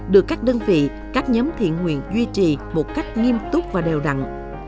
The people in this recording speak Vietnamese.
được các đơn vị các nhóm thiện nguyện duy trì một cách nghiêm túc và đều đặn